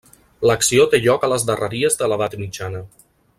L'acció té lloc a les darreries de l'edat mitjana.